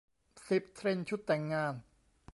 สิบ เทรนด์ชุดแต่งงาน